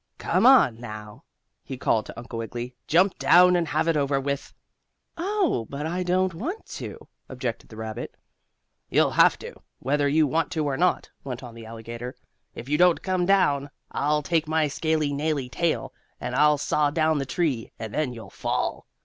"Come on now!" he called to Uncle Wiggily. "Jump down and have it over with." "Oh, but I don't want to," objected the rabbit. "You'll have to, whether you want to or not," went on the alligator. "If you don't come down, I'll take my scaly, naily tail, and I'll saw down the tree, and then you'll fall."